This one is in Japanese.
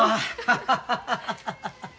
ハハハハハハハ。